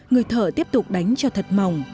người thợ tiếp tục đánh cho thật mỏng